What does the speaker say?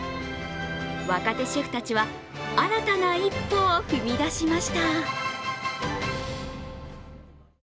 若手シェフたちは新たな一歩を踏み出しました。